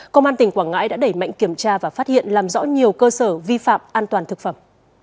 công an tỉnh quảng ngãi đã đẩy mạnh kiểm tra và phát hiện làm rõ nhiều cơ sở vi phạm an toàn thực phẩm